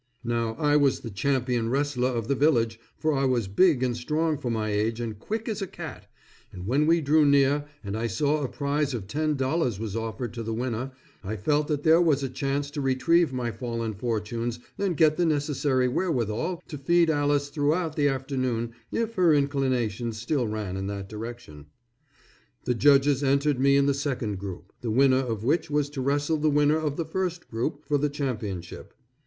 Now I was the champion wrestler of the village for I was big and strong for my age and quick as a cat, and when we drew near and I saw a prize of $10 was offered to the winner, I felt that there was a chance to retrieve my fallen fortunes and get the necessary wherewithal to feed Alice throughout the afternoon if her inclinations still ran in that direction. The judges entered me in the second group, the winner of which was to wrestle the winner of the first group for the championship.